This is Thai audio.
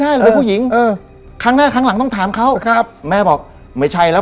ป้านิมบอกป้านิมบอกป้านิมบอกป้านิมบอกป้านิมบอกป้านิมบอกป้านิมบอก